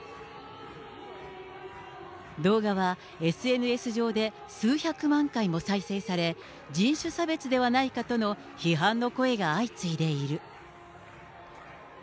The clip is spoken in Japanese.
動画はＳＮＳ上で数百万回も再生され、人種差別ではないかとの批判の声が相次いでいる。